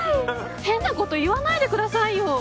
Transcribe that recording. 変なこと言わないでくださいよ。